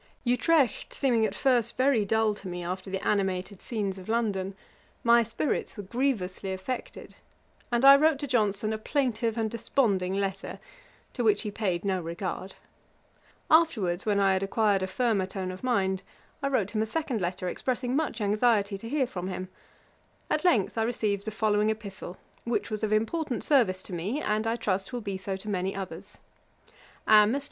[Page 473: Johnson's first letter to Boswell. Ætat 54.] Utrecht seeming at first very dull to me, after the animated scenes of London, my spirits were grievously affected; and I wrote to Johnson a plaintive and desponding letter, to which he paid no regard. Afterwards, when I had acquired a firmer tone of mind, I wrote him a second letter, expressing much anxiety to hear from him. At length I received the following epistle, which was of important service to me, and, I trust, will be so to many others. 'A MR.